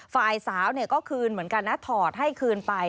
ฝ่ายสาวก็คืนเหมือนกันนะถอดให้คืนไป